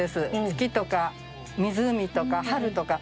「月」とか「湖」とか「春」とか。